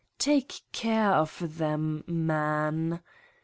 Take care of them, man!